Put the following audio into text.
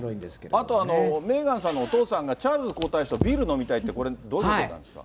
あと、メーガンさんのお父さんがチャールズ皇太子とビール飲みたいって、これどういうことなんですか？